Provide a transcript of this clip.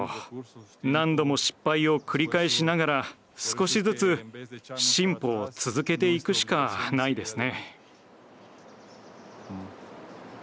何度も失敗を繰り返しながら少しずつ進歩を続けていくしかないですね。